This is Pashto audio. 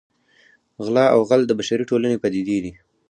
غلا او غل د بشري ټولنې پدیدې دي